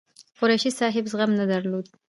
قریشي صاحب زغم نه درلود.